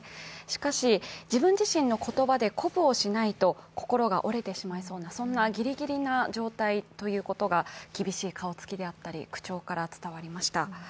しかし、自分自身の言葉で鼓舞をしないと心が折れてしまいそうなそんなぎりぎりな状態ということが、厳しい顔つきであったり口調から伝わりました。